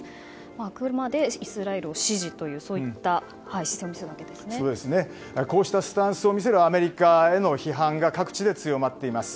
あくまでイスラエルを支持というこうしたスタンスを見せるアメリカへの批判が各地で強まっています。